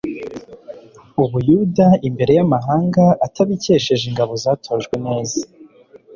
Ubuyuda imbere yamahanga atabikesheje ingabo zatojwe neza